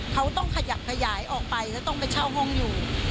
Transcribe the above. เขาต้องขยับขยายออกไปแล้วต้องไปเช่าห้องอยู่